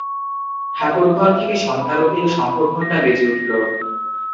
ঠাকুরঘর থেকে সন্ধ্যারতির শঙ্খঘণ্টা বেজে উঠল।